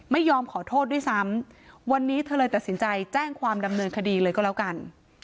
ไม่ยอมขอโทษด้วยซ้ำวันนี้เธอเลยตัดสินใจแจ้งความดำเนินคดีเลยก็แล้วกัน